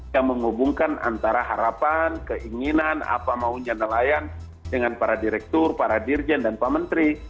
yang menghubungkan antara harapan keinginan apa maunya nelayan dengan para direktur para dirjen dan pak menteri